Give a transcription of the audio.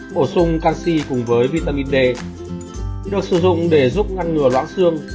bổ sung canxi cùng với vitamin d được sử dụng để giúp ngăn ngừa lão xương